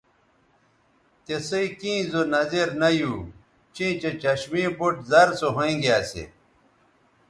تِسئ کیں زو نظر نہ یو چیں چہء چشمے بُٹ زر سو ھوینگے اسی